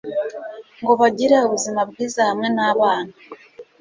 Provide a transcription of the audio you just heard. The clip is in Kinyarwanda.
ngo bagire ubuzima bwiza hamwe n'abana